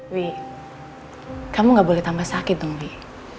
wih kamu gak boleh tambah sakit dong wih